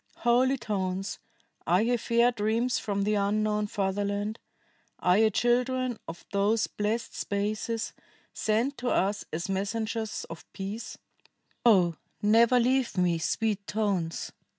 "Holy tones, are ye fair dreams from the unknown fatherland? Are ye children of those blessed spaces, sent to us as messengers of peace? O never leave me, sweet tones!